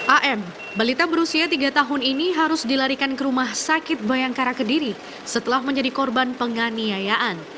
am balita berusia tiga tahun ini harus dilarikan ke rumah sakit bayangkara kediri setelah menjadi korban penganiayaan